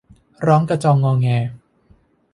ร้องกระจองอแง